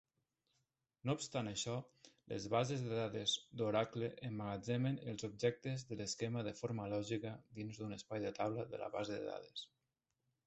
No obstant això, les bases de dades d'Oracle emmagatzemen els objectes de l'esquema de forma lògica dins d'un espai de taula de la base de dades.